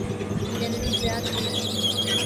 General Zia تھے۔